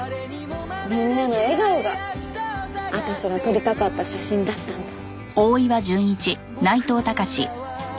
みんなの笑顔が私が撮りたかった写真だったんだ。